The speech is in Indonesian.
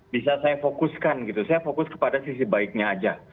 bisa saya fokuskan gitu saya fokus kepada sisi baiknya aja